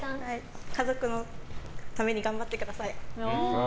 家族のために頑張ってください。